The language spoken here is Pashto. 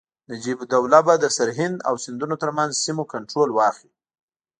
نجیب الدوله به د سرهند او سیندونو ترمنځ سیمو کنټرول واخلي.